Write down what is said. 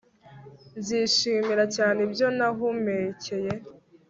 nzishimira cyane ibyo nahumekeye